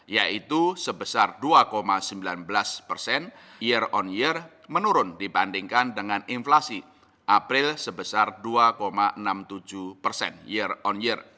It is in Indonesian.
yaitu sebesar dua sembilan belas persen year on year menurun dibandingkan dengan inflasi april sebesar dua enam puluh tujuh persen year on year